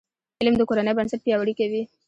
علم د کورنۍ بنسټ پیاوړی کوي.